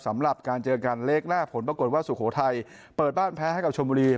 สำหรับการเจอกันเลขแรกผลปรากฏว่าสุโขทัยเปิดบ้านแพ้ให้กับชมบุรี